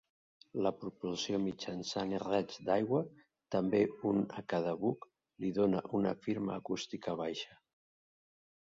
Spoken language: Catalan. La propulsió mitjançant raig d'aigua, també un a cada buc, li dona una firma acústica baixa.